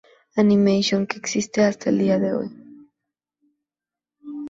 Animation, que existe hasta el día de hoy.